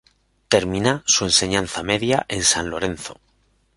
Termina su enseñanza media en San Lorenzo.